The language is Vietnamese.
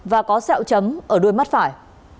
và có sẹo chấm ở đuôi mắt phải